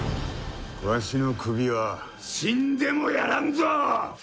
わしの首は死んでもやらんぞ！